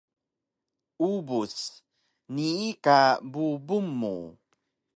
Ubus: Nii ka bubung mu